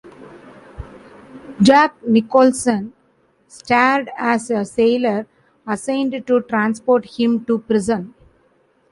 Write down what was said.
Jack Nicholson starred as a sailor assigned to transport him to prison.